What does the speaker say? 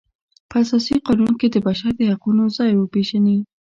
په اساسي قانون کې د بشر د حقونو ځای وپیژني.